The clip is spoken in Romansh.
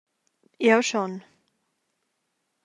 Jeu schon.